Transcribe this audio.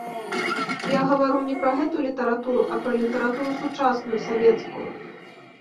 Я гавару не пра гэту літаратуру, а пра літаратуру сучасную савецкую.